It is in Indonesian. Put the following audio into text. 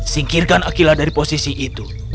singkirkan akilah dari posisi itu